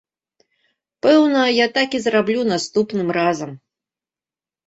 Пэўна, я так і зраблю наступным разам.